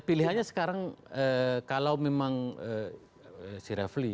pilihannya sekarang kalau memang si refli